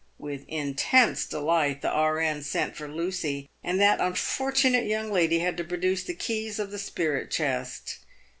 With intense delight the R.N. sent for Lucy, and that unfortunate young lady had to produce the keys of the spirit chest.